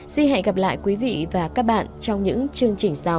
xin hẹn gặp lại quý vị và các bạn trong những chương trình sau